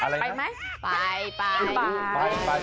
ไปมั้ย